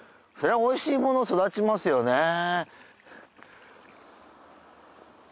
そりゃおいしいもの育ちますよね。